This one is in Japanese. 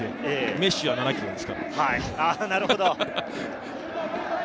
メッシは７ｋｍです。